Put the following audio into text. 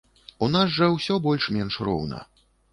У нас жа ўсё больш менш роўна.